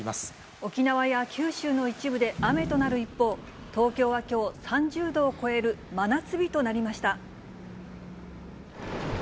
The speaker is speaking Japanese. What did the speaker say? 沖縄や九州の一部で雨となる一方、東京はきょう、３０度を超える真夏日となりました。